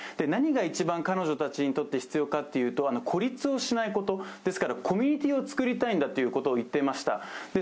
何が一番彼女たちにとって必要かというと孤立をしないことですから、コミュニティーを作りたいんだということを言っていました。